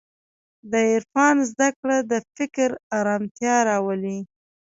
د عرفان زدهکړه د فکر ارامتیا راولي.